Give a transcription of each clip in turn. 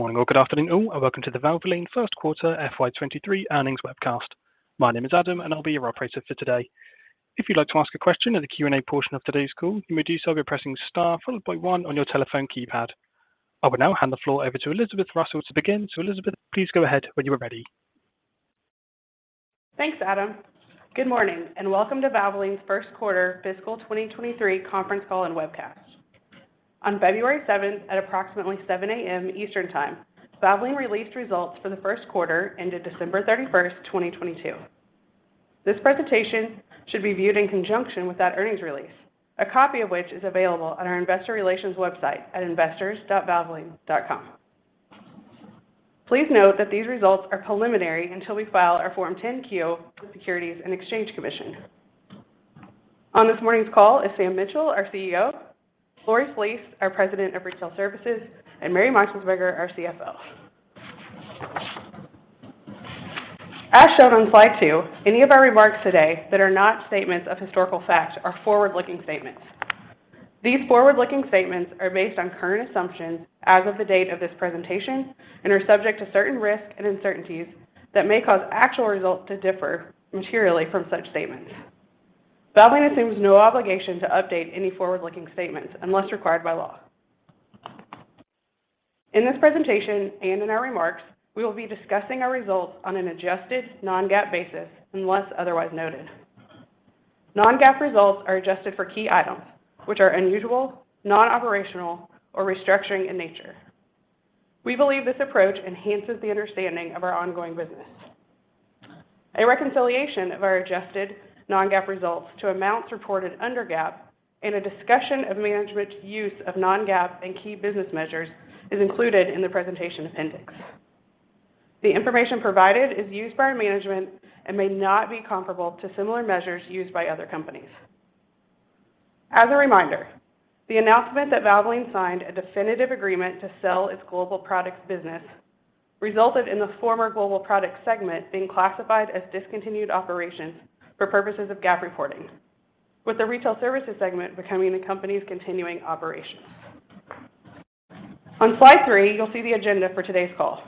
Good morning or good afternoon all, welcome to the Valvoline first quarter FY 2023 earnings webcast. My name is Adam, and I'll be your operator for today. If you'd like to ask a question in the Q&A portion of today's call, you may do so by pressing star followed by one on your telephone keypad. I will now hand the floor over to Elizabeth Russell to begin. Elizabeth, please go ahead when you are ready. Thanks, Adam. Good morning. Welcome to Valvoline's 1st quarter fiscal 2023 conference call and webcast. On February 7, at approximately 7:00 A.M. Eastern Time, Valvoline released results for the 1st quarter ended December 31, 2022. This presentation should be viewed in conjunction with that earnings release, a copy of which is available on our investor relations website at investors.valvoline.com. Please note that these results are preliminary until we file our Form 10-Q with the Securities and Exchange Commission. On this morning's call is Sam Mitchell, our CEO; Lori Flees, our President of Retail Services; and Mary Meixelsperger, our CFO. As shown on slide two, any of our remarks today that are not statements of historical fact are forward-looking statements. These forward-looking statements are based on current assumptions as of the date of this presentation and are subject to certain risks and uncertainties that may cause actual results to differ materially from such statements. Valvoline assumes no obligation to update any forward-looking statements unless required by law. In this presentation and in our remarks, we will be discussing our results on an adjusted non-GAAP basis unless otherwise noted. Non-GAAP results are adjusted for key items which are unusual, non-operational, or restructuring in nature. We believe this approach enhances the understanding of our ongoing business. A reconciliation of our adjusted non-GAAP results to amounts reported under GAAP in a discussion of management's use of non-GAAP and key business measures is included in the presentation appendix. The information provided is used by our management and may not be comparable to similar measures used by other companies. As a reminder, the announcement that Valvoline signed a definitive agreement to sell its Global Products business resulted in the former Global Products segment being classified as discontinued operations for purposes of GAAP reporting, with the Retail Services segment becoming the company's continuing operations. On slide three, you'll see the agenda for today's call.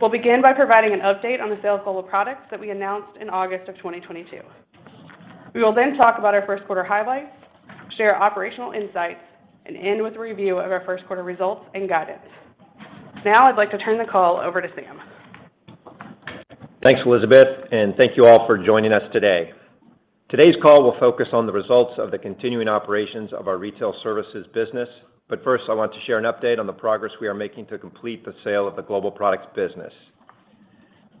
We'll begin by providing an update on the sale of Global Products that we announced in August of 2022. We will talk about our first quarter highlights, share operational insights, and end with a review of our first quarter results and guidance. I'd like to turn the call over to Sam. Thanks, Elizabeth. Thank you all for joining us today. Today's call will focus on the results of the continuing operations of our Retail Services business. First, I want to share an update on the progress we are making to complete the sale of the Global Products business.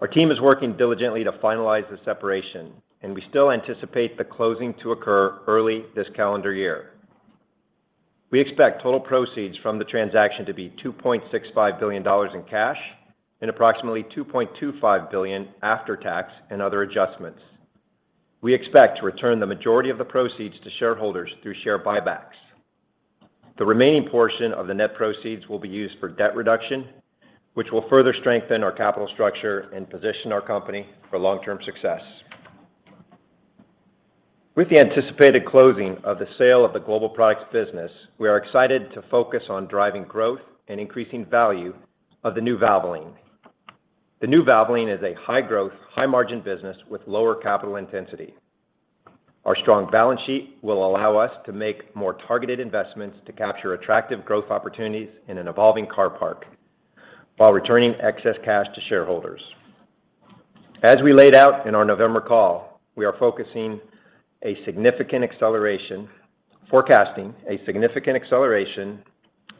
Our team is working diligently to finalize the separation, and we still anticipate the closing to occur early this calendar year. We expect total proceeds from the transaction to be $2.65 billion in cash and approximately $2.25 billion after tax and other adjustments. We expect to return the majority of the proceeds to shareholders through share buybacks. The remaining portion of the net proceeds will be used for debt reduction, which will further strengthen our capital structure and position our company for long-term success. With the anticipated closing of the sale of the Global Products business, we are excited to focus on driving growth and increasing value of the new Valvoline. The new Valvoline is a high-growth, high-margin business with lower capital intensity. Our strong balance sheet will allow us to make more targeted investments to capture attractive growth opportunities in an evolving car park while returning excess cash to shareholders. As we laid out in our November call, we are forecasting a significant acceleration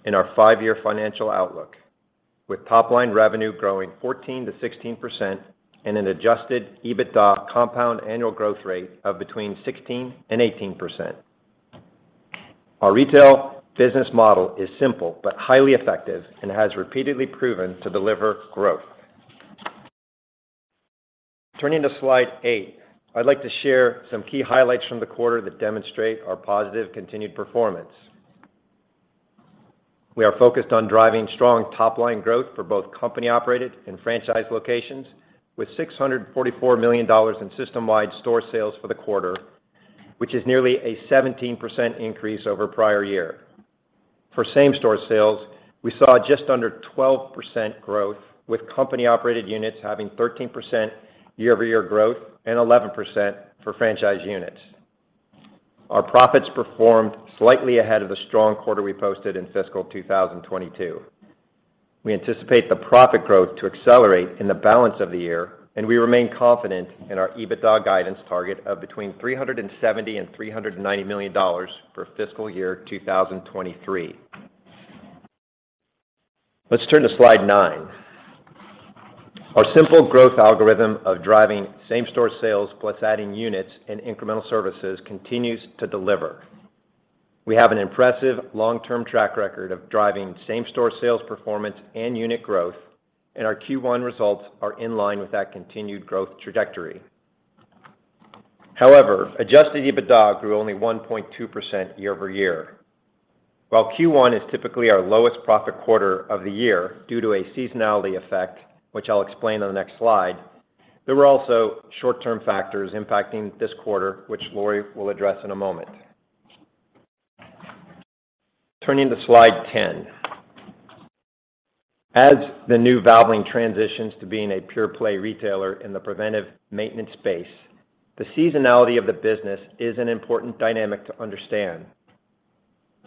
in our five-year financial outlook, with top-line revenue growing 14%-16% and an Adjusted EBITDA compound annual growth rate of between 16% and 18%. Our retail business model is simple but highly effective and has repeatedly proven to deliver growth. Turning to slide eight, I'd like to share some key highlights from the quarter that demonstrate our positive continued performance. We are focused on driving strong top-line growth for both company-operated and franchise locations, with $644 million in system-wide store sales for the quarter, which is nearly a 17% increase over prior year. For same-store sales, we saw just under 12% growth, with company-operated units having 13% year-over-year growth and 11% for franchise units. Our profits performed slightly ahead of the strong quarter we posted in fiscal 2022. We anticipate the profit growth to accelerate in the balance of the year, and we remain confident in our EBITDA guidance target of between $370 million and $390 million for fiscal year 2023. Let's turn to slide nine. Our simple growth algorithm of driving same-store sales plus adding units and incremental services continues to deliver. We have an impressive long-term track record of driving same-store sales performance and unit growth, our Q1 results are in line with that continued growth trajectory. However, adjusted EBITDA grew only 1.2% year-over-year. While Q1 is typically our lowest profit quarter of the year due to a seasonality effect, which I'll explain on the next slide, there were also short-term factors impacting this quarter, which Lori Flees will address in a moment. Turning to slide 10. As the new Valvoline transitions to being a pure-play retailer in the preventive maintenance space, the seasonality of the business is an important dynamic to understand.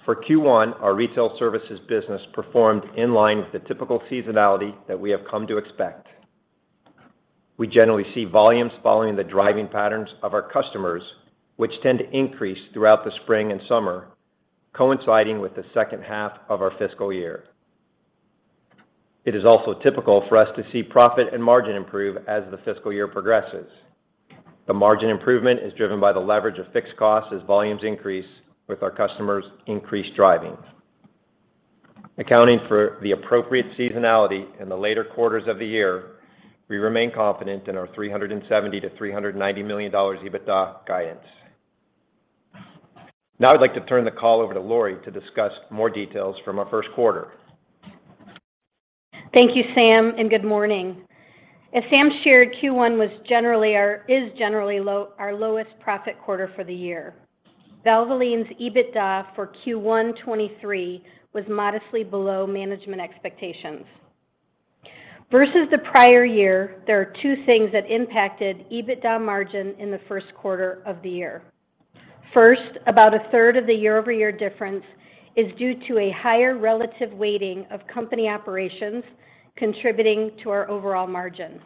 For Q1, our Retail Services business performed in line with the typical seasonality that we have come to expect. We generally see volumes following the driving patterns of our customers, which tend to increase throughout the spring and summer, coinciding with the second half of our fiscal year. It is also typical for us to see profit and margin improve as the fiscal year progresses. The margin improvement is driven by the leverage of fixed costs as volumes increase with our customers' increased driving. Accounting for the appropriate seasonality in the later quarters of the year, we remain confident in our $370 million-$390 million EBITDA guidance. I'd like to turn the call over to Lori to discuss more details from our first quarter. Thank you, Sam, and good morning. As Sam shared, Q1 was generally our lowest profit quarter for the year. Valvoline's EBITDA for Q1 2023 was modestly below management expectations. Versus the prior year, there are two things that impacted EBITDA margin in the first quarter of the year. First, about 1/3 of the year-over-year difference is due to a higher relative weighting of company operations contributing to our overall margin.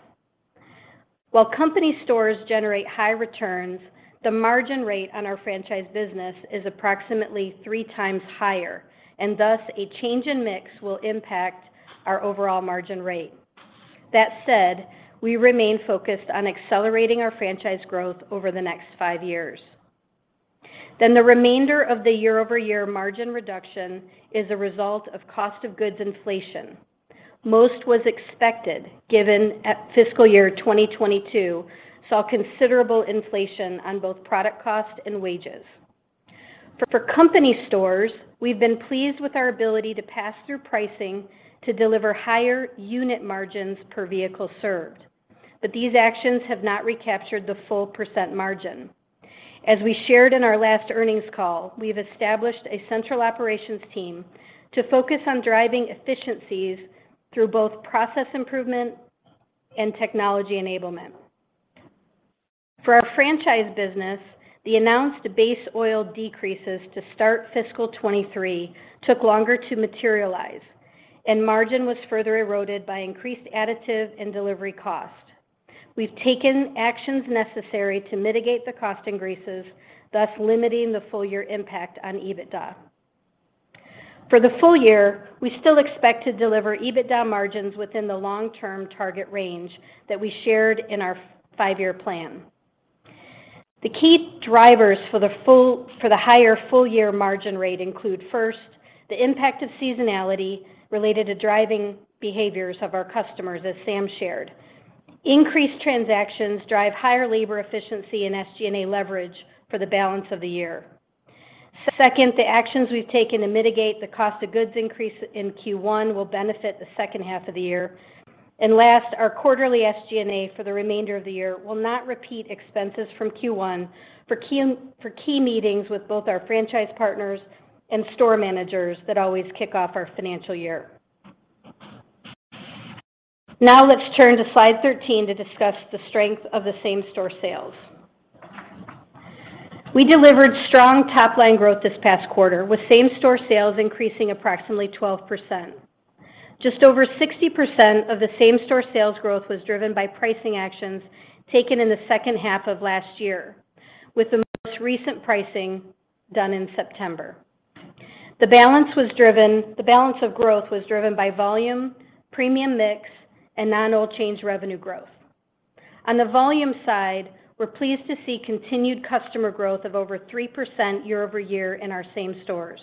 While company stores generate high returns, the margin rate on our franchise business is approximately 3x higher, and thus a change in mix will impact our overall margin rate. That said, we remain focused on accelerating our franchise growth over the next five years. The remainder of the year-over-year margin reduction is a result of cost of goods inflation. Most was expected, given fiscal year 2022 saw considerable inflation on both product cost and wages. For company stores, we've been pleased with our ability to pass through pricing to deliver higher unit margins per vehicle served, but these actions have not recaptured the full percent margin. As we shared in our last earnings call, we've established a central operations team to focus on driving efficiencies through both process improvement and technology enablement. For our franchise business, the announced base oil decreases to start fiscal 2023 took longer to materialize, and margin was further eroded by increased additive and delivery costs. We've taken actions necessary to mitigate the cost increases, thus limiting the full year impact on EBITDA. For the full year, we still expect to deliver EBITDA margins within the long-term target range that we shared in our five-year plan. The key drivers for the full... for the higher full year margin rate include, first, the impact of seasonality related to driving behaviors of our customers, as Sam shared. Increased transactions drive higher labor efficiency and SG&A leverage for the balance of the year. Second, the actions we've taken to mitigate the cost of goods increase in Q1 will benefit the second half of the year. Last, our quarterly SG&A for the remainder of the year will not repeat expenses from Q1 for key meetings with both our franchise partners and store managers that always kick off our financial year. Let's turn to slide 13 to discuss the strength of the same-store sales. We delivered strong top-line growth this past quarter, with same-store sales increasing approximately 12%. Just over 60% of the same-store sales growth was driven by pricing actions taken in the second half of last year, with the most recent pricing done in September. The balance of growth was driven by volume, premium mix, and non-oil change revenue growth. On the volume side, we're pleased to see continued customer growth of over 3% year-over-year in our same stores.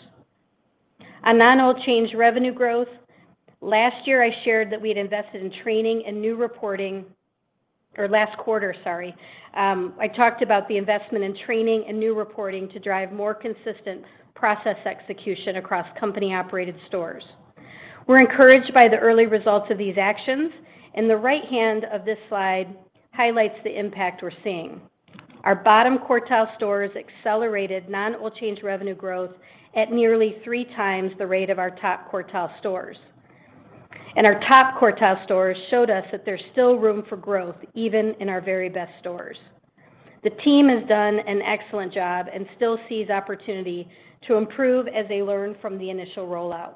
On non-oil change revenue growth, last quarter, sorry, I talked about the investment in training and new reporting to drive more consistent process execution across company-operated stores. We're encouraged by the early results of these actions. The right hand of this slide highlights the impact we're seeing. Our bottom quartile stores accelerated Non-Oil Change Revenue growth at nearly 3x the rate of our top quartile stores. Our top quartile stores showed us that there's still room for growth even in our very best stores. The team has done an excellent job and still sees opportunity to improve as they learn from the initial rollout.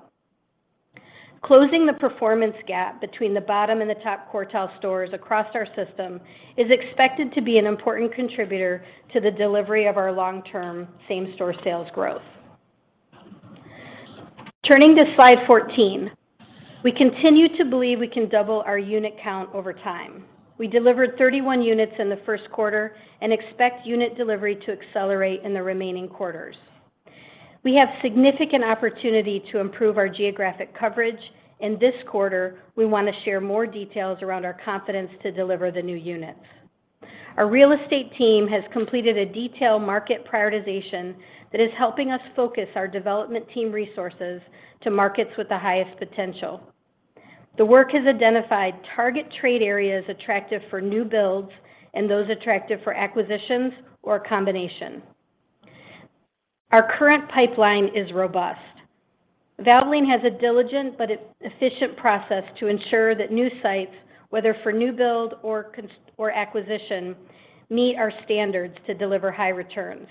Closing the performance gap between the bottom and the top quartile stores across our system is expected to be an important contributor to the delivery of our long-term same-store sales growth. Turning to slide 14. We continue to believe we can double our unit count over time. We delivered 31 units in the first quarter and expect unit delivery to accelerate in the remaining quarters. We have significant opportunity to improve our geographic coverage. This quarter we want to share more details around our confidence to deliver the new units. Our real estate team has completed a detailed market prioritization that is helping us focus our development team resources to markets with the highest potential. The work has identified target trade areas attractive for new builds and those attractive for acquisitions or a combination. Our current pipeline is robust. Valvoline has a diligent but efficient process to ensure that new sites, whether for new build or acquisition, meet our standards to deliver high returns.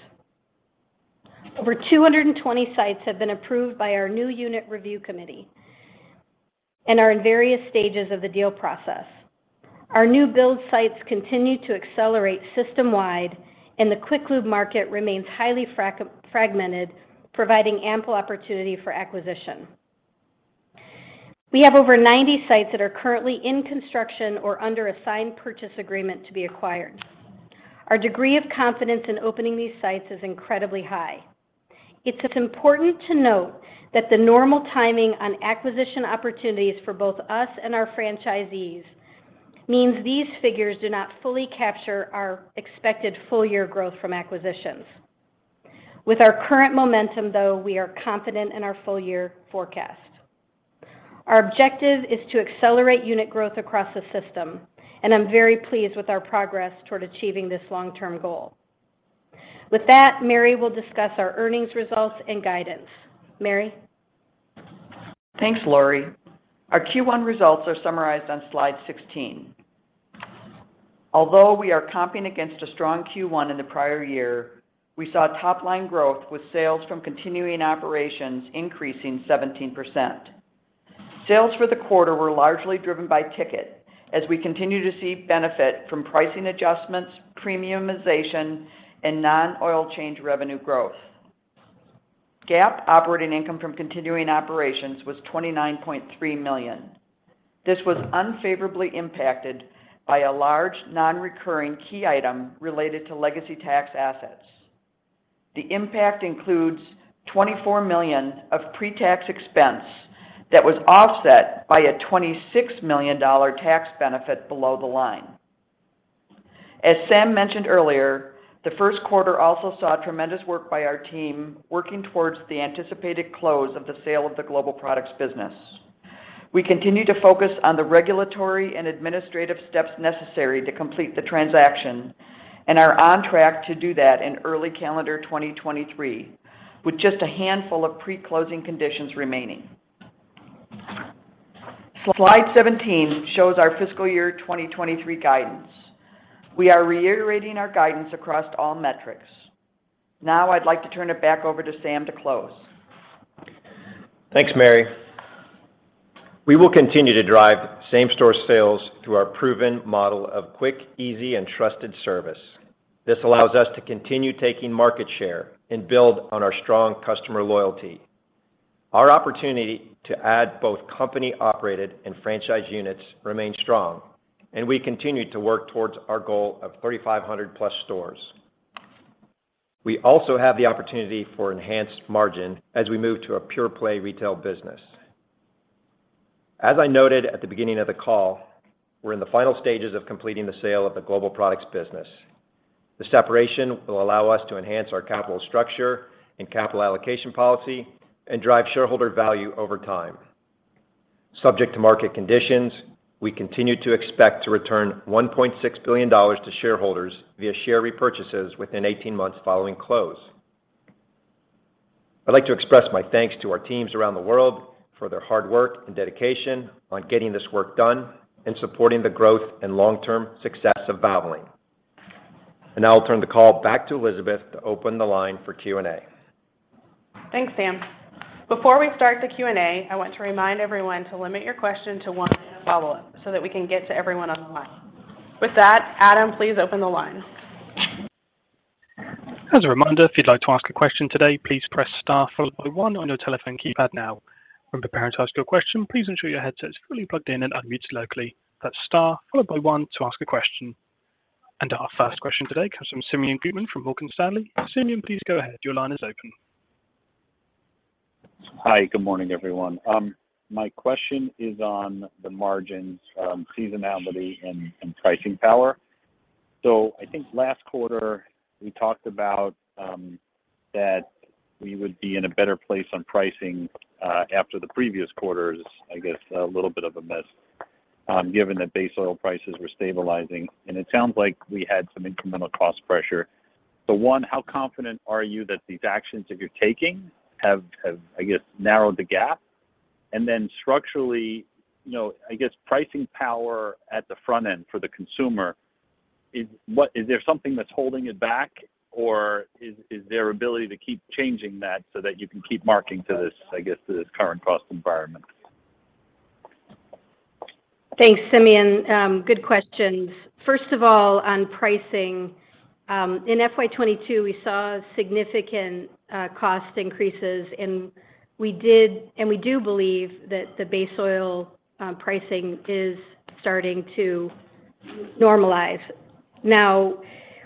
Over 220 sites have been approved by our new unit review committee and are in various stages of the deal process. Our new build sites continue to accelerate system-wide, and the quick lube market remains highly fragmented, providing ample opportunity for acquisition. We have over 90 sites that are currently in construction or under a signed purchase agreement to be acquired. Our degree of confidence in opening these sites is incredibly high. It's important to note that the normal timing on acquisition opportunities for both us and our franchisees means these figures do not fully capture our expected full year growth from acquisitions. With our current momentum, though, we are confident in our full year forecast. Our objective is to accelerate unit growth across the system, and I'm very pleased with our progress toward achieving this long-term goal. With that, Mary will discuss our earnings results and guidance. Mary? Thanks, Lori. Our Q1 results are summarized on slide 16. Although we are comping against a strong Q1 in the prior year, we saw top-line growth with sales from continuing operations increasing 17%. Sales for the quarter were largely driven by ticket as we continue to see benefit from pricing adjustments, premiumization, and non-oil change revenue growth. GAAP operating income from continuing operations was $29.3 million. This was unfavorably impacted by a large non-recurring key item related to legacy tax assets. The impact includes $24 million of pre-tax expense that was offset by a $26 million tax benefit below the line. As Sam mentioned earlier, the first quarter also saw tremendous work by our team working towards the anticipated close of the sale of the Global Products business. We continue to focus on the regulatory and administrative steps necessary to complete the transaction and are on track to do that in early calendar 2023, with just a handful of pre-closing conditions remaining. Slide 17 shows our fiscal year 2023 guidance. We are reiterating our guidance across all metrics. Now I'd like to turn it back over to Sam to close. Thanks, Mary. We will continue to drive same-store sales through our proven model of quick, easy, and trusted service. This allows us to continue taking market share and build on our strong customer loyalty. Our opportunity to add both company-operated and franchise units remains strong, and we continue to work towards our goal of 3,500+ stores. We also have the opportunity for enhanced margin as we move to a pure-play retail business. As I noted at the beginning of the call, we're in the final stages of completing the sale of the Global Products business. The separation will allow us to enhance our capital structure and capital allocation policy and drive shareholder value over time. Subject to market conditions, we continue to expect to return $1.6 billion to shareholders via share repurchases within 18 months following close. I'd like to express my thanks to our teams around the world for their hard work and dedication on getting this work done and supporting the growth and long-term success of Valvoline. Now I'll turn the call back to Elizabeth to open the line for Q&A. Thanks, Sam. Before we start the Q&A, I want to remind everyone to limit your question to one follow-up so that we can get to everyone on the line. With that, Adam, please open the line. As a reminder, if you'd like to ask a question today, please press star followed by one on your telephone keypad now. When preparing to ask your question, please ensure your headset is fully plugged in and un-muted locally. That's star followed by one to ask a question. Our first question today comes from Simeon Gutman from Morgan Stanley. Simeon, please go ahead. Your line is open. Hi, good morning, everyone. My question is on the margins, seasonality and pricing power. So I think last quarter, we talked about that we would be in a better place on pricing after the previous quarters, I guess, a little bit of a miss given that base oil prices were stabilizing. And it sounds like we had some incremental cost pressure. But one, how confident are you that these actions that you’re taking have, I guess, narrowed the gap? And then structurally, I guess, pricing power at the front end for the consumer, is there something that’s holding it back? Or is there ability to keep changing that so that you can keep marking to this, I guess, to this current cost environment? Thanks, Simeon. Good questions. First of all, on pricing, in FY 2022 we saw significant cost increases. We do believe that the base oil pricing is starting to normalize.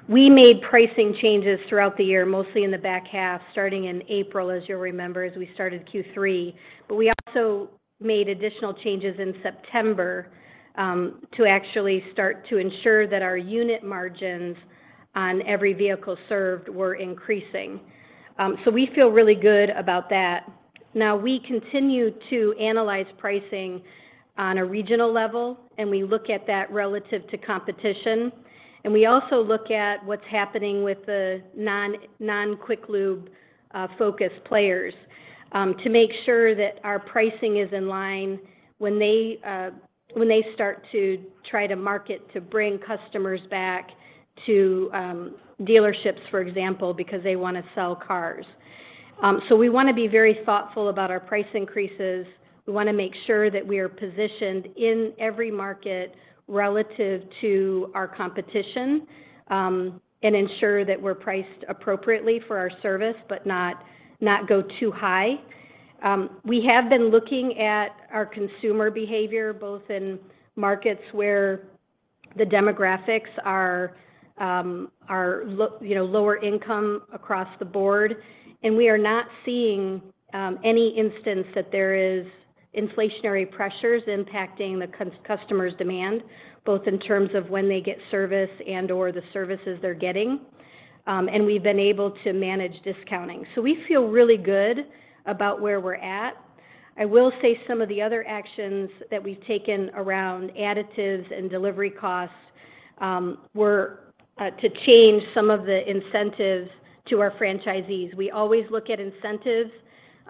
We made pricing changes throughout the year, mostly in the back half, starting in April, as you'll remember, as we started Q3. We also made additional changes in September, to actually start to ensure that our unit margins on every vehicle served were increasing. We feel really good about that. We continue to analyze pricing on a regional level, and we look at that relative to competition. We also look at what's happening with the non-quick lube focus players to make sure that our pricing is in line when they start to try to market to bring customers back to dealerships, for example, because they wanna sell cars. We wanna be very thoughtful about our price increases. We wanna make sure that we are positioned in every market relative to our competition and ensure that we're priced appropriately for our service, but not go too high. We have been looking at our consumer behavior, both in markets where the demographics are you know, lower income across the board, and we are not seeing any instance that there is inflationary pressures impacting the customers' demand, both in terms of when they get service and/or the services they're getting. We've been able to manage discounting. We feel really good about where we're at. I will say some of the other actions that we've taken around additives and delivery costs were to change some of the incentives to our franchisees. We always look at incentives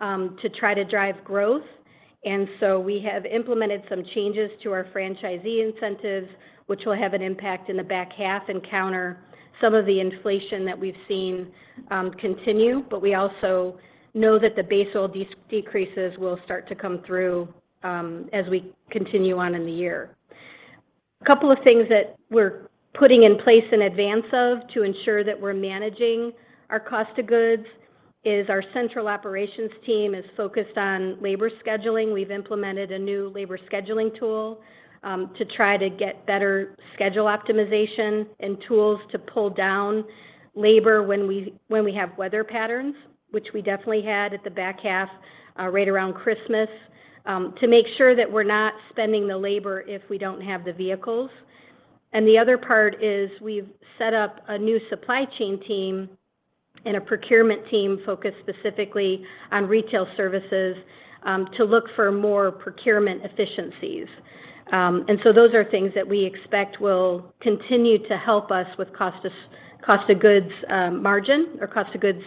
to try to drive growth. We have implemented some changes to our franchisee incentives, which will have an impact in the back half and counter some of the inflation that we've seen continue. We also know that the base oil decreases will start to come through as we continue on in the year. A couple of things that we're putting in place in advance of to ensure that we're managing our cost of goods is our central operations team is focused on labor scheduling. We've implemented a new labor scheduling tool, to try to get better schedule optimization and tools to pull down labor when we have weather patterns, which we definitely had at the back half, right around Christmas, to make sure that we're not spending the labor if we don't have the vehicles. The other part is we've set up a new supply chain team and a procurement team focused specifically on Retail Services, to look for more procurement efficiencies. Those are things that we expect will continue to help us with cost of goods, margin or cost of goods,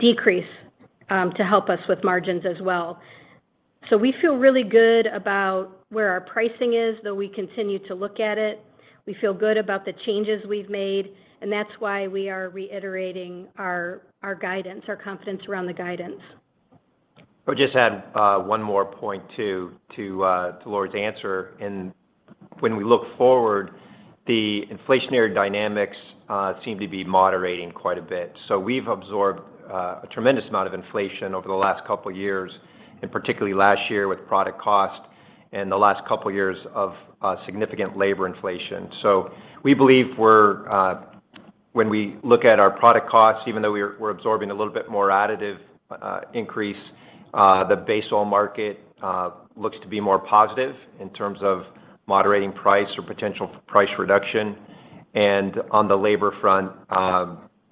decrease, to help us with margins as well. We feel really good about where our pricing is, though we continue to look at it. We feel good about the changes we've made, and that's why we are reiterating our guidance, our confidence around the guidance. I would just add one more point too, to Lori's answer. When we look forward, the inflationary dynamics seem to be moderating quite a bit. We've absorbed a tremendous amount of inflation over the last couple of years, and particularly last year with product cost and the last couple of years of significant labor inflation. We believe we're, when we look at our product costs, even though we're absorbing a little bit more additive increase, the base oil market looks to be more positive in terms of moderating price or potential price reduction. On the labor front,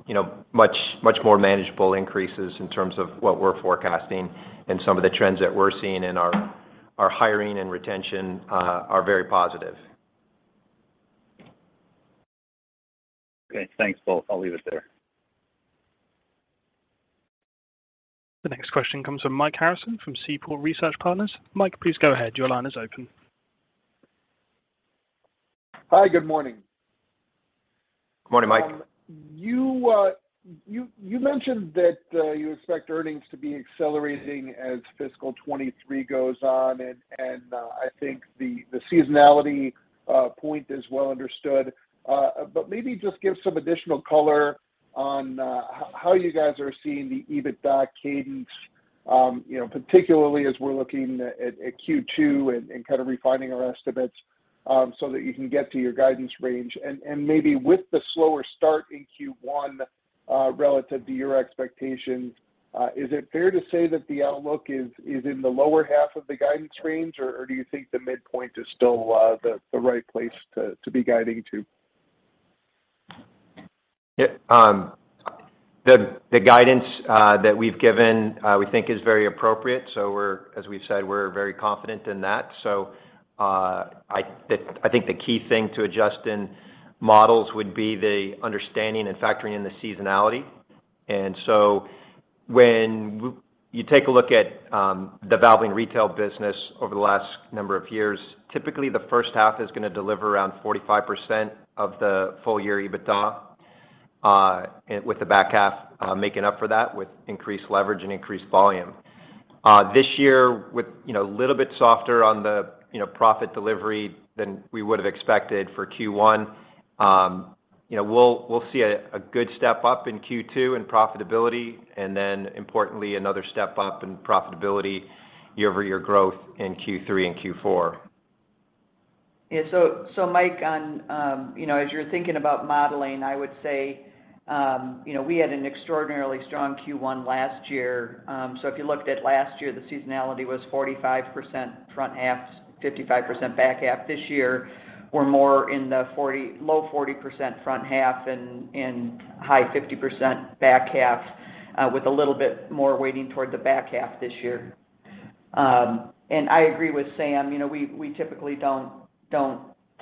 you know, much more manageable increases in terms of what we're forecasting and some of the trends that we're seeing in our hiring and retention are very positive. Okay. Thanks, both. I'll leave it there. The next question comes from Mike Harrison from Seaport Research Partners. Mike, please go ahead. Your line is open. Hi. Good morning. Good morning, Mike. You mentioned that you expect earnings to be accelerating as fiscal 2023 goes on, and I think the seasonality point is well understood. But maybe just give some additional color on how you guys are seeing the EBITDA cadence, you know, particularly as we're looking at Q2 and kind of refining our estimates, so that you can get to your guidance range. Maybe with the slower start in Q1 relative to your expectations, is it fair to say that the outlook is in the lower half of the guidance range, or do you think the midpoint is still the right place to be guiding to? Yeah. The guidance that we've given, we think is very appropriate. As we've said, we're very confident in that. I think the key thing to adjust in models would be the understanding and factoring in the seasonality. When you take a look at the Valvoline retail business over the last number of years, typically the first half is gonna deliver around 45% of the full year EBITDA, and with the back half, making up for that with increased leverage and increased volume. This year with, you know, a little bit softer on the, you know, profit delivery than we would have expected for Q1, you know, we'll see a good step up in Q2 in profitability and then importantly, another step up in profitability year-over-year growth in Q3 and Q4. Yeah. Mike, on, you know, as you're thinking about modeling, I would say. You know, we had an extraordinarily strong Q1 last year. If you looked at last year, the seasonality was 45% front half, 55% back half. This year, we're more in the low 40% front half and high 50% back half, with a little bit more weighting toward the back half this year. I agree with Sam, you know, we typically don't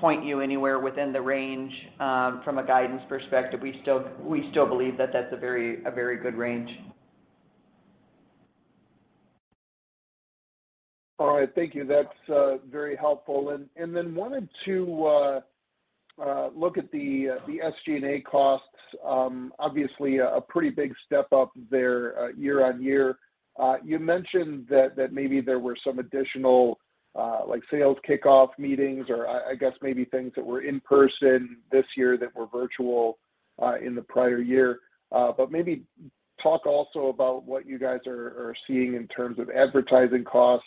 point you anywhere within the range from a guidance perspective. We still believe that that's a very good range. All right. Thank you. That's very helpful. Then wanted to look at the SG&A costs. Obviously a pretty big step up there year-on-year. You mentioned that maybe there were some additional like sales kickoff meetings or I guess maybe things that were in person this year that were virtual in the prior year. Maybe talk also about what you guys are seeing in terms of advertising costs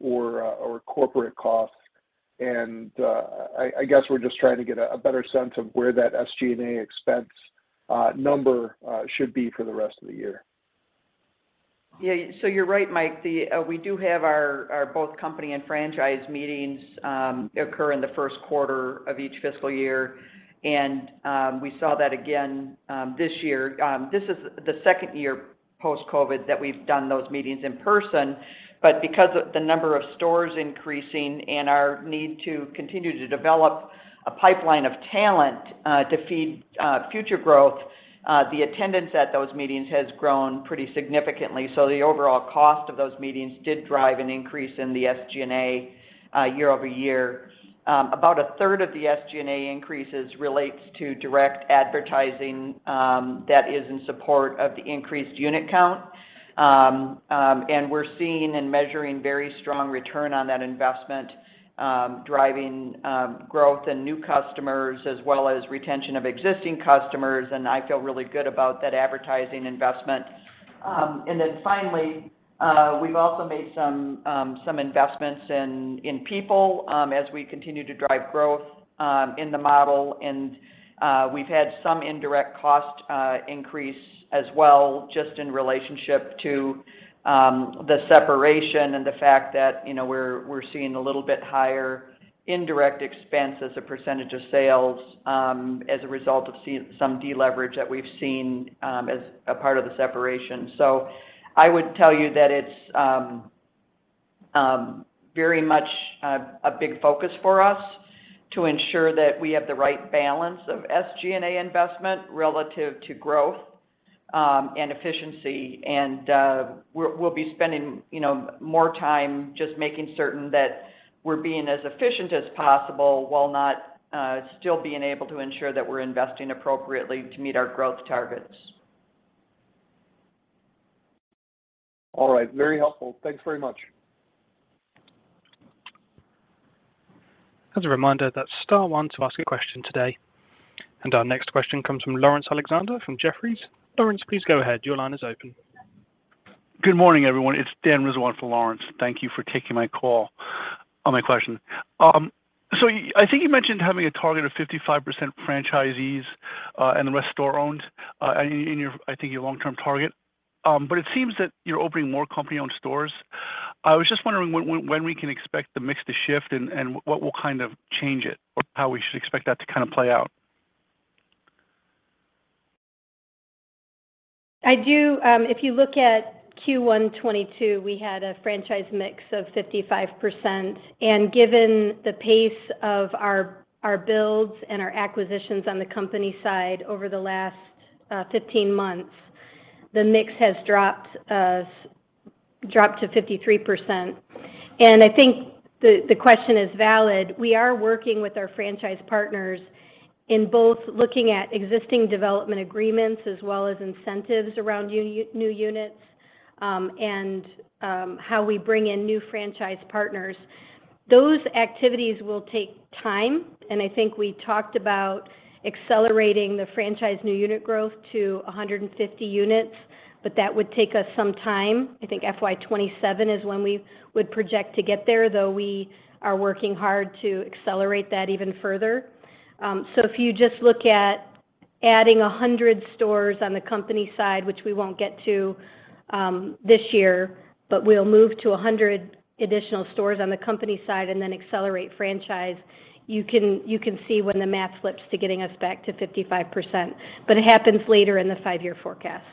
or corporate costs. I guess we're just trying to get a better sense of where that SG&A expense number should be for the rest of the year. Yeah. You're right, Mike. We do have our both company and franchise meetings occur in the first quarter of each fiscal year. We saw that again this year. This is the second year post-COVID that we've done those meetings in person. Because of the number of stores increasing and our need to continue to develop a pipeline of talent to feed future growth, the attendance at those meetings has grown pretty significantly. The overall cost of those meetings did drive an increase in the SG&A year-over-year. About a third of the SG&A increases relates to direct advertising that is in support of the increased unit count. We're seeing and measuring very strong return on that investment, driving growth and new customers as well as retention of existing customers, and I feel really good about that advertising investment. Finally, we've also made some investments in people, as we continue to drive growth in the model. We've had some indirect cost increase as well, just in relationship to the separation and the fact that, you know, we're seeing a little bit higher indirect expense as a percentage of sales as a result of some deleverage that we've seen as a part of the separation. I would tell you that it's very much a big focus for us to ensure that we have the right balance of SG&A investment relative to growth and efficiency. We'll be spending, you know, more time just making certain that we're being as efficient as possible while not still being able to ensure that we're investing appropriately to meet our growth targets. All right. Very helpful. Thanks very much. As a reminder, that's star one to ask a question today. Our next question comes from Laurence Alexander from Jefferies. Lawrence, please go ahead. Your line is open. Good morning, everyone. It's Dan Rizzo for Laurence. Thank you for taking my question. I think you mentioned having a target of 55% franchisees and the rest store-owned in your, I think, your long-term target. It seems that you're opening more company-owned stores. I was just wondering when we can expect the mix to shift and what will kind of change it, or how we should expect that to kind of play out. If you look at Q1 2022, we had a franchise mix of 55%. Given the pace of our builds and our acquisitions on the company side over the last 15 months, the mix has dropped to 53%. I think the question is valid. We are working with our franchise partners in both looking at existing development agreements as well as incentives around new units and how we bring in new franchise partners. Those activities will take time, I think we talked about accelerating the franchise new unit growth to 150 units, that would take us some time. I think FY 2027 is when we would project to get there, though we are working hard to accelerate that even further. If you just look at adding 100 stores on the company side, which we won't get to this year, but we'll move to 100 additional stores on the company side and then accelerate franchise, you can see when the math flips to getting us back to 55%, but it happens later in the five-year forecast.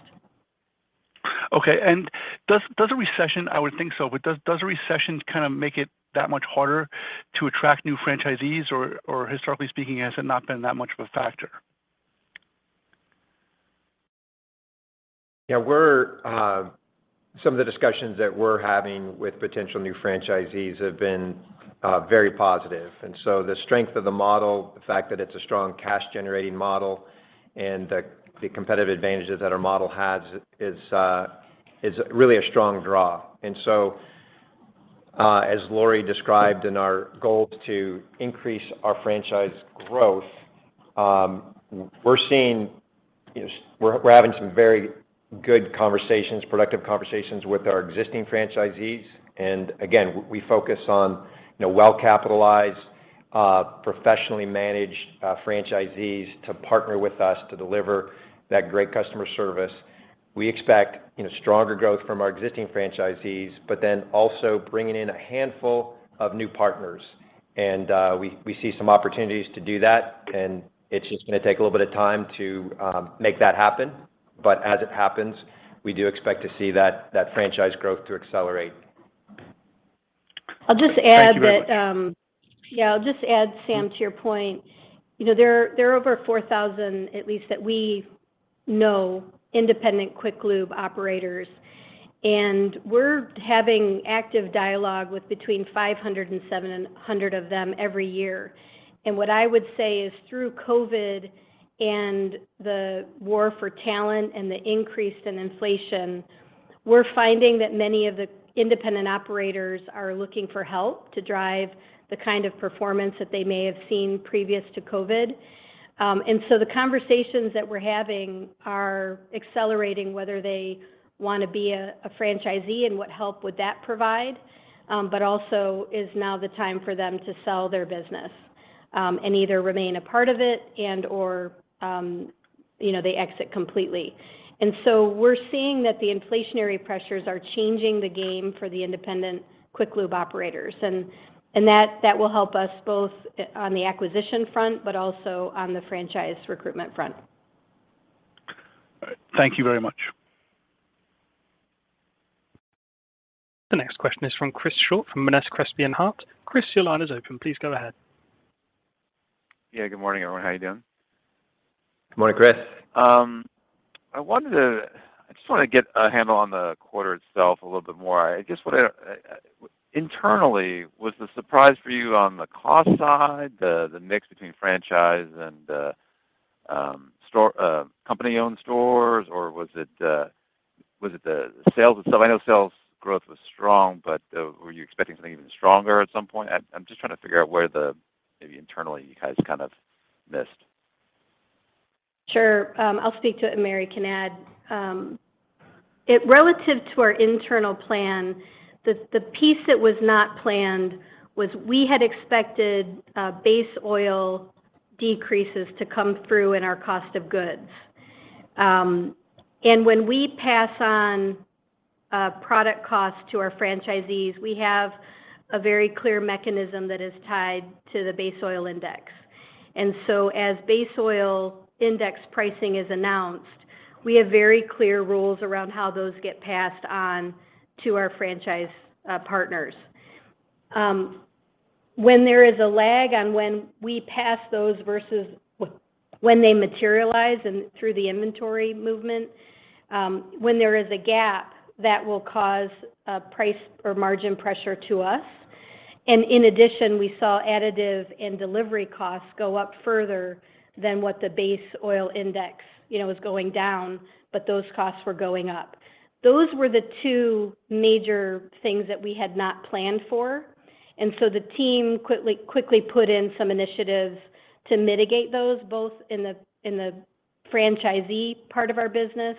Okay. I would think so, does a recession kind of make it that much harder to attract new franchisees or historically speaking, has it not been that much of a factor? Yeah. Some of the discussions that we're having with potential new franchisees have been very positive. The strength of the model, the fact that it's a strong cash-generating model and the competitive advantages that our model has is really a strong draw. As Lori described in our goal to increase our franchise growth, we're seeing, you know, we're having some very good conversations, productive conversations with our existing franchisees. Again, we focus on, you know, well-capitalized Professionally managed franchisees to partner with us to deliver that great customer service. We expect, you know, stronger growth from our existing franchisees, but then also bringing in a handful of new partners. We see some opportunities to do that, and it's just gonna take a little bit of time to make that happen. As it happens, we do expect to see that franchise growth to accelerate. I'll just add that. Thank you very much. Yeah, I'll just add, Sam, to your point. You know, there are over 4,000, at least, that we know independent quick lube operators, and we're having active dialogue with between 500 and 700 of them every year. What I would say is through COVID and the war for talent and the increase in inflation, we're finding that many of the independent operators are looking for help to drive the kind of performance that they may have seen previous to COVID. The conversations that we're having are accelerating whether they wanna be a franchisee and what help would that provide. Also is now the time for them to sell their business, and either remain a part of it and/or, you know, they exit completely. We're seeing that the inflationary pressures are changing the game for the independent quick lube operators. That will help us both on the acquisition front, but also on the franchise recruitment front. All right. Thank you very much. The next question is from Chris Shaw from Monness, Crespi, Hardt. Chris, your line is open. Please go ahead. Yeah, good morning, everyone. How you doing? Good morning, Chris. I just wanna get a handle on the quarter itself a little bit more. I just wonder, internally, was the surprise for you on the cost side, the mix between franchise and store, company-owned stores? Was it the sales itself? I know sales growth was strong, were you expecting something even stronger at some point? I'm just trying to figure out where the, maybe internally, you guys kind of missed. Sure. I'll speak to it, and Mary can add. Relative to our internal plan, the piece that was not planned was we had expected base oil decreases to come through in our cost of goods. When we pass on product costs to our franchisees, we have a very clear mechanism that is tied to the Base Oil Index. As Base Oil Index pricing is announced, we have very clear rules around how those get passed on to our franchise partners. When there is a lag on when we pass those versus when they materialize and through the inventory movement, when there is a gap, that will cause a price or margin pressure to us. In addition, we saw additive and delivery costs go up further than what the Base Oil Index, you know, was going down, but those costs were going up. Those were the two major things that we had not planned for. The team quickly put in some initiatives to mitigate those, both in the, in the franchisee part of our business,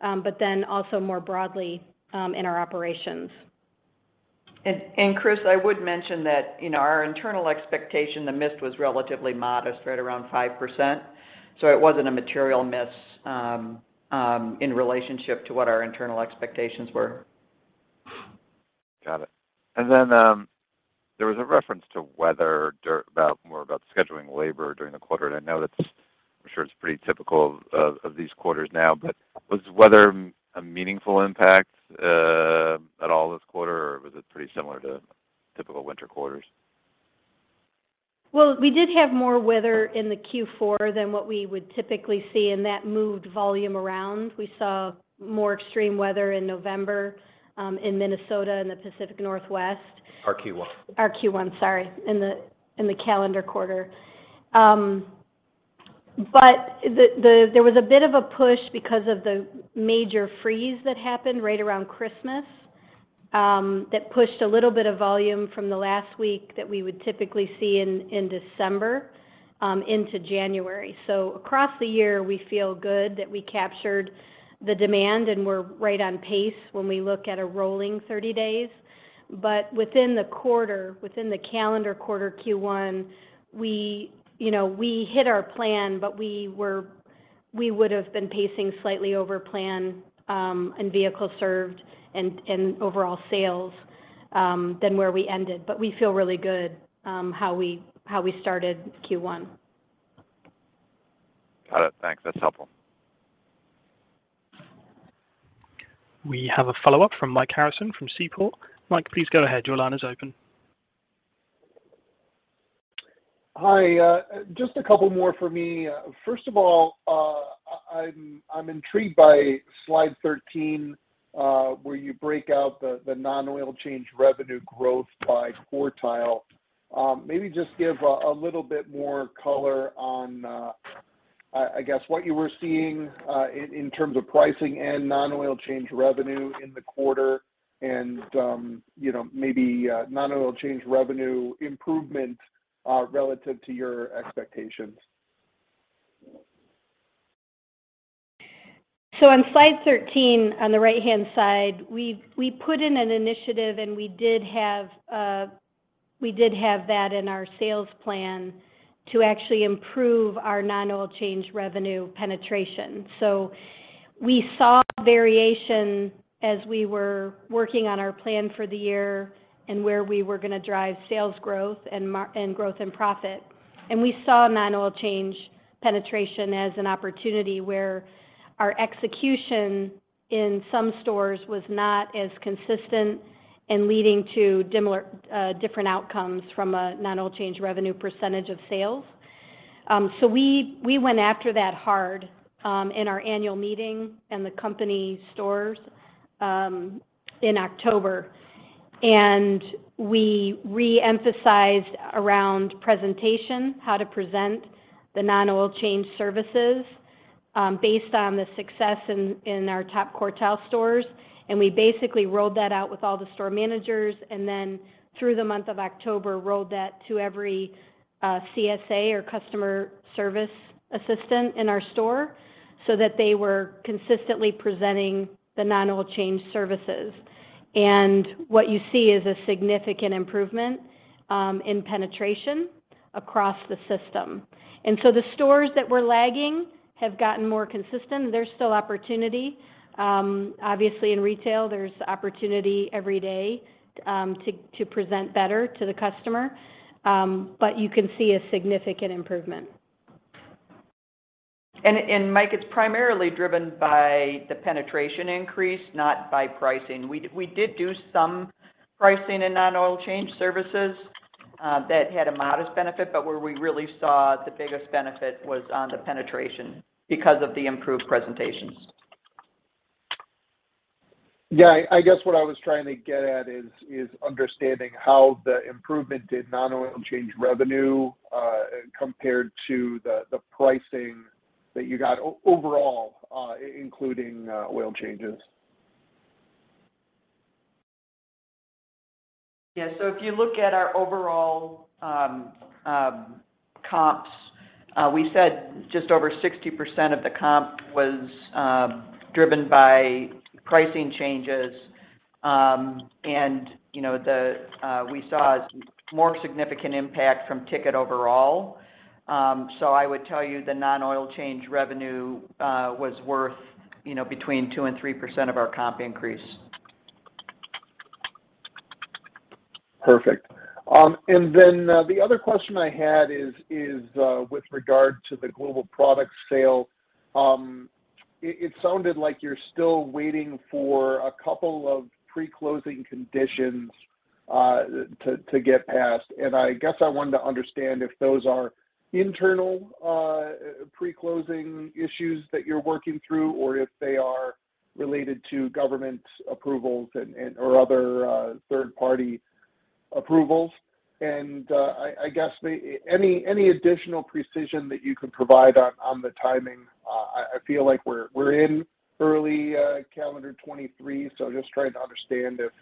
but then also more broadly in our operations. Chris, I would mention that, you know, our internal expectation, the missed was relatively modest, right around 5%. It wasn't a material miss in relationship to what our internal expectations were. Got it. There was a reference to weather more about scheduling labor during the quarter, and I know I'm sure it's pretty typical of these quarters now. Was weather a meaningful impact at all this quarter, or was it pretty similar to typical winter quarters? We did have more weather in the Q4 than what we would typically see, and that moved volume around. We saw more extreme weather in November in Minnesota and the Pacific Northwest. Our Q1. Our Q1, sorry, in the, in the calendar quarter. There was a bit of a push because of the major freeze that happened right around Christmas, that pushed a little bit of volume from the last week that we would typically see in December, into January. Across the year, we feel good that we captured the demand, and we're right on pace when we look at a rolling 30 days. Within the quarter, within the calendar quarter Q1, we, you know, we hit our plan, but we would have been pacing slightly over plan, in vehicles served and overall sales, than where we ended. We feel really good, how we, how we started Q1. Got it. Thanks. That's helpful. We have a follow-up from Mike Harrison from Seaport. Mike, please go ahead. Your line is open. Hi. Just a couple more for me. First of all, I'm intrigued by slide 13, where you break out the non-oil change revenue growth by quartile. Maybe just give a little bit more color on, I guess, what you were seeing in terms of pricing and non-oil change revenue in the quarter and, you know, maybe non-oil change revenue improvement relative to your expectations. On slide 13, on the right-hand side, we put in an initiative, and we did have that in our sales plan to actually improve our non-oil change revenue penetration. We saw variation as we were working on our plan for the year and where we were gonna drive sales growth and growth and profit. We saw non-oil change penetration as an opportunity where our execution in some stores was not as consistent and leading to dissimilar, different outcomes from a non-oil change revenue percentage of sales. We went after that hard in our annual meeting in the company stores in October. We re-emphasized around presentation, how to present the non-oil change services, based on the success in our top quartile stores. We basically rolled that out with all the store managers and then through the month of October, rolled that to every CSA or customer service assistant in our store, so that they were consistently presenting the non-oil change services. What you see is a significant improvement in penetration across the system. The stores that were lagging have gotten more consistent. There's still opportunity. Obviously in retail, there's opportunity every day to present better to the customer. You can see a significant improvement. Mike, it's primarily driven by the penetration increase, not by pricing. We did do some pricing in non-oil change services, that had a modest benefit, but where we really saw the biggest benefit was on the penetration because of the improved presentations. Yeah. I guess what I was trying to get at is understanding how the improvement did non-oil change revenue compared to the pricing that you got overall, including oil changes. Yeah. If you look at our overall, comps, we said just over 60% of the comp was driven by pricing changes. You know, the, we saw more significant impact from ticket overall. I would tell you the non-oil change revenue, was worth, you know, between 2% and 3% of our comp increase. Perfect. Then the other question I had is with regard to the Global Products sale. It sounded like you're still waiting for a couple of pre-closing conditions to get past. I guess I wanted to understand if those are internal pre-closing issues that you're working through, or if they are related to government approvals or other third-party approvals. I guess any additional precision that you could provide on the timing. I feel like we're in early calendar 2023, so just trying to understand if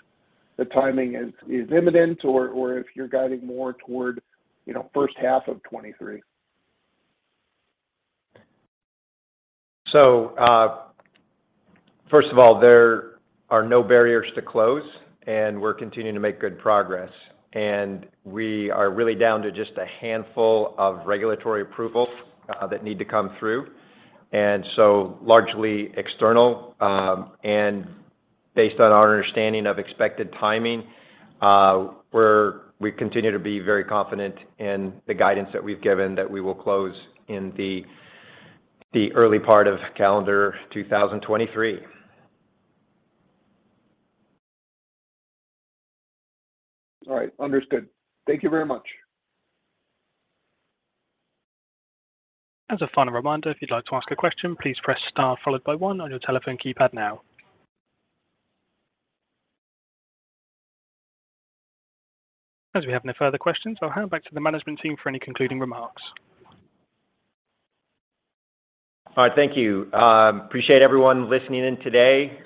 the timing is imminent or if you're guiding more toward, you know, first half of 2023. First of all, there are no barriers to close, and we're continuing to make good progress. We are really down to just a handful of regulatory approvals that need to come through, and so largely external. Based on our understanding of expected timing, we continue to be very confident in the guidance that we've given that we will close in the early part of calendar 2023. All right. Understood. Thank you very much. As a final reminder, if you'd like to ask a question, please press star followed by one on your telephone keypad now. As we have no further questions, I'll hand back to the management team for any concluding remarks. All right. Thank you. Appreciate everyone listening in today.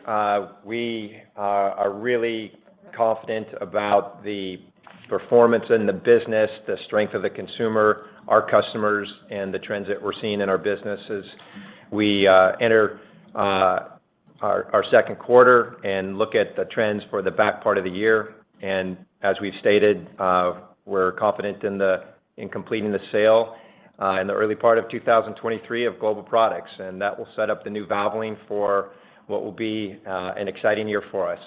We are really confident about the performance in the business, the strength of the consumer, our customers, and the trends that we're seeing in our businesses. We enter our second quarter and look at the trends for the back part of the year. As we've stated, we're confident in completing the sale in the early part of 2023 of Global Products, and that will set up the new Valvoline for what will be an exciting year for us.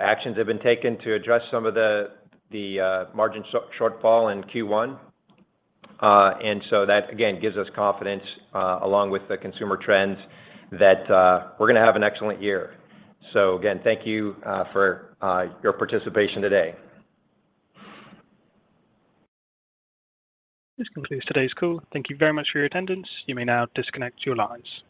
Actions have been taken to address some of the margin shortfall in Q1. That, again, gives us confidence along with the consumer trends that we're gonna have an excellent year. Again, thank you for your participation today. This concludes today's call. Thank you very much for your attendance. You may now disconnect your lines.